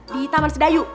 di taman sedayu